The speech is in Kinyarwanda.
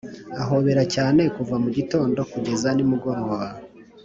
ahobera cyane kuva mugitondo kugeza nimugoroba.